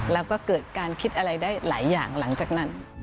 แล้วก็เกิดการคิดอะไรได้หลายอย่างหลังจากนั้น